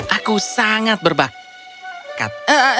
aku sangat berbakat